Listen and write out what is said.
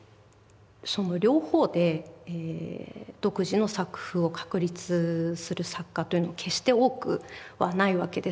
その両方で独自の作風を確立する作家というのは決して多くはないわけです。